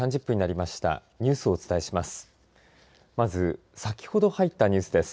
まず、先ほど入ったニュースです。